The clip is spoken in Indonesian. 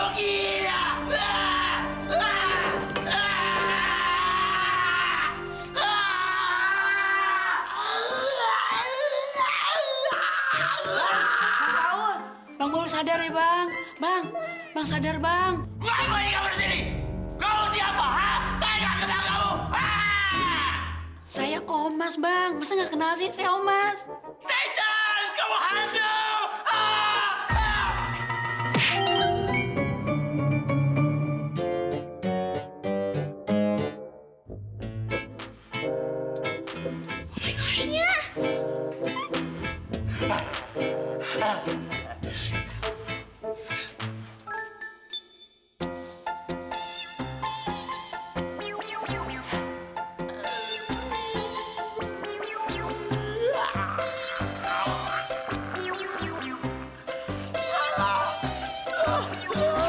gawat aduh adi gawat gawat kalau begini gawat